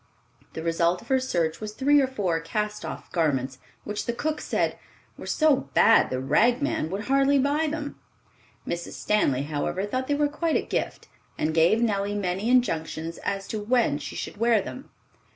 The result of her search was three or four cast off garments, which the cook said "were so bad the rag man would hardly buy them." Mrs. Stanley, however, thought they were quite a gift, and gave Nellie many injunctions as to when she should wear them.